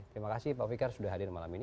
terima kasih pak fikar sudah hadir malam ini